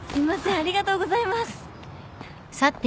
ありがとうございます。